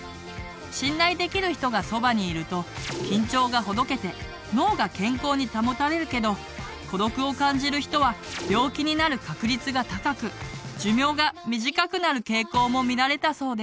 信頼できる人がそばにいると緊張がほどけて脳が健康に保たれるけど孤独を感じる人は病気になる確率が高く寿命が短くなる傾向も見られたそうです。